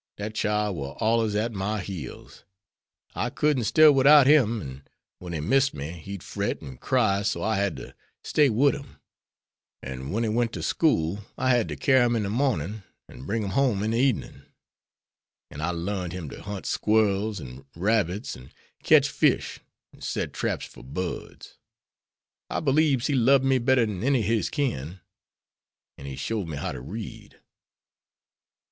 Dat chile war allers at my heels. I couldn't stir widout him, an' when he missed me, he'd fret an' cry so I had ter stay wid him; an' wen he went to school, I had ter carry him in de mornin' and bring him home in de ebenin'. An' I learned him to hunt squirrels, an' rabbits, an' ketch fish, an' set traps for birds. I beliebs he lob'd me better dan any ob his kin'. An' he showed me how to read."